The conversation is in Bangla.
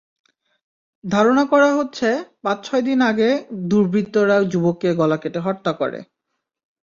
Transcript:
ধারণা করা হচ্ছে, পাঁচ-ছয় দিন আগে দুর্বৃত্তরা যুবককে গলা কেটে হত্যা করে।